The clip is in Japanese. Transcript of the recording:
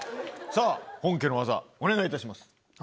さぁ本家の技お願いいたします。